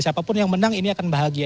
siapapun yang menang ini akan bahagia